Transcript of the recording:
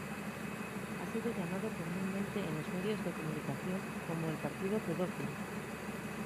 Ha sido llamado comúnmente en los medios de comunicación como el "partido pedófilo".